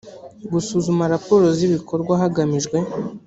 gusuzuma raporo z ibikorwa hagamijwe